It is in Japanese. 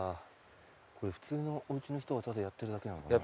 これ普通のおうちの人がただやってるだけなのかな？